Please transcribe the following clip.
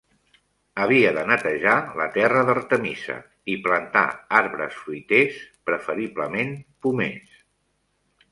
Havia de netejar la terra d'artemisa i plantar arbres fruiters, preferiblement pomes.